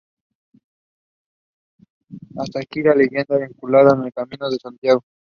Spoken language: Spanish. Hasta aquí, la leyenda vinculada al camino de Santiago.